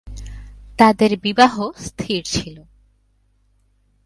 তাদের বিবাহ স্থির ছিল।